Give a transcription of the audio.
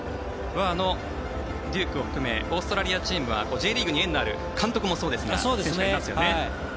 デュークを含めオーストラリアチームはＪリーグに縁のある監督もそうですが選手もいますよね。